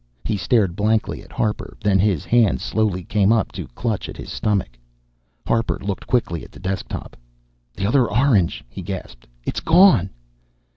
He stared blankly at Harper, then his hands slowly came up to clutch at his stomach. Harper looked quickly at the desk top. "The other orange," he gasped. "It's gone!"